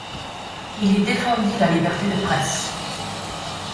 Il y défendit la liberté de presse.